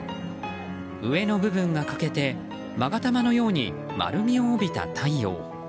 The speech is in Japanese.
上の部分が欠けて勾玉のように丸みを帯びた太陽。